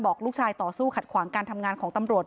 ลูกชายต่อสู้ขัดขวางการทำงานของตำรวจ